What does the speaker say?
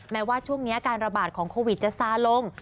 แม้ว่าช่วงนี้การระบาดของโควิดจะซาลง